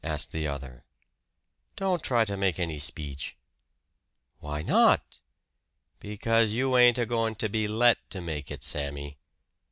asked the other. "Don't try to make any speech." "Why not?" "Because you ain't a going to be let to make it, Sammy."